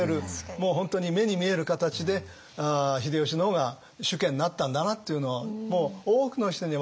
もう本当に目に見える形で秀吉の方が主家になったんだなっていうのをもう多くの人に分からせる